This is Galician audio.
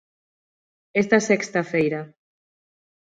Esta sexta feira.